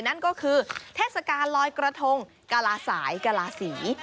นั่นก็คือเทศกาลลอยกระทงกลาสายกลาศรี